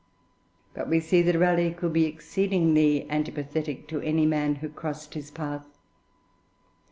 But we see that Raleigh could be exceedingly antipathetic to any man who crossed his path.